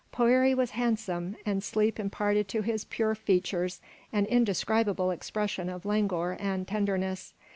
Poëri was handsome, and sleep imparted to his pure features an indescribable expression of languor and tenderness.